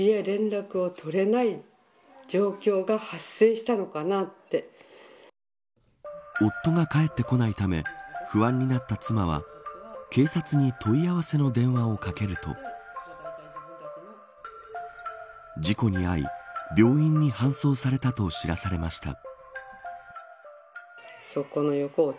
しかし、この日は夫が帰ってこないため不安になった妻は警察に問い合わせの電話をかけると事故に遭い病院に搬送されたと知らされました。